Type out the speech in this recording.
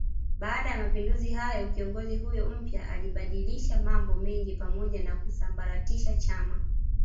Baada ya mapinduzi hayo kiongozi huyo mpya alibadilisha mambo mengi pamoja na kusambaratisha chama